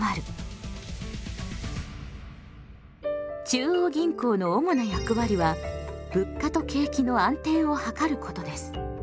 中央銀行の主な役割は物価と景気の安定をはかることです。